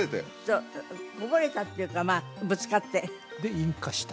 そうこぼれたっていうかまあぶつかってで引火した？